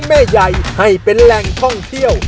แม่ใหญ่ให้เป็นแหล่งท่องเที่ยว